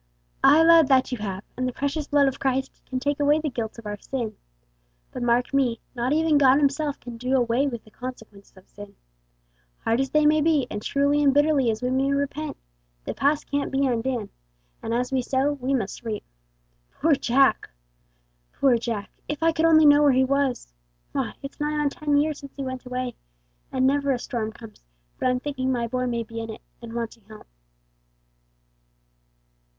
"Aye, lad, that you have, and the precious blood of Christ can take away the guilt of our sin; but, mark me, not even God Himself can do away with the consequences of sin. Hard as they may be, and truly and bitterly as we may repent, the past can't be undone; and as we sow we must reap. Poor Jack! Poor Jack! If I could only know where he was. Why, it's nigh on ten years since he went away, and never a storm comes but I'm thinking my boy may be in it, and wanting help."